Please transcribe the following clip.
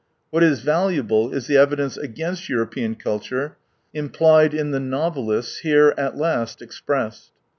What is valuable is the evidence against European culture, implied in the novelists^ here at last expressed.